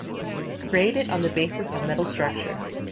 Created on the basis of metal structures.